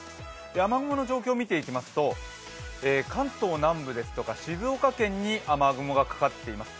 雨雲の状況を見ていきますと、関東南部ですとか静岡県に雨雲がかかっています。